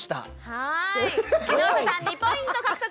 はい木下さん２ポイント獲得。